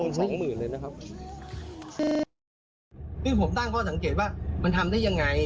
ซึ่งผมตั้งข้อสังเกตว่ามันทำได้ยังไง